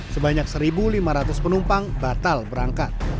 sebanyak satu lima ratus penumpang batal berangkat